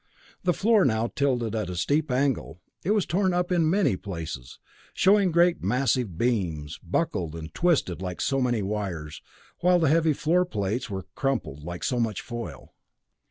The floor, now tilted at a steep angle, was torn up in many places, showing great, massive beams, buckled and twisted like so many wires, while the heavy floor plates were crumpled like so much foil.